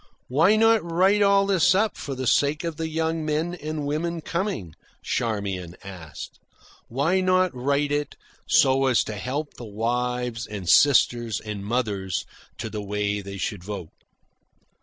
"Why not write all this up for the sake of the men and women coming?" Charmian asked. "Why not write it so as to help the wives and sisters and mothers to the way they should vote?"